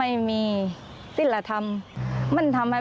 แต่เธอก็ไม่ละความพยายาม